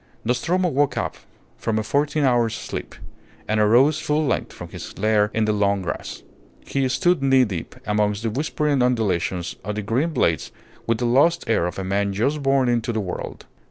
Nostromo woke up from a fourteen hours' sleep, and arose full length from his lair in the long grass. He stood knee deep amongst the whispering undulations of the green blades with the lost air of a man just born into the world.